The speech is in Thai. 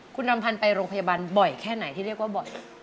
คุณอำพันธ์ไปโรงพยาบาลบ่อยแค่ไหนที่เรียกว่าบ่อย